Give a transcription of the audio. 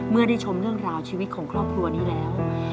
เมื่อได้ชมเรื่องราวชีวิตของครอบครัวนี้แล้ว